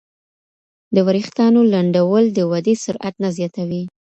د وریښتانو لنډول د ودې سرعت نه زیاتوي.